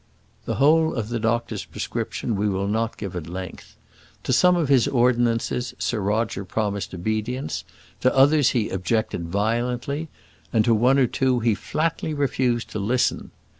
The whole of the doctor's prescription we will not give at length. To some of his ordinances Sir Roger promised obedience; to others he objected violently, and to one or two he flatly refused to listen.